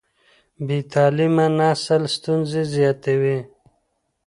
بې تعليمه نسل ستونزې زیاتوي.